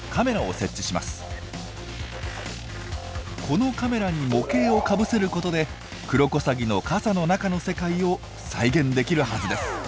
このカメラに模型をかぶせることでクロコサギの傘の中の世界を再現できるはずです。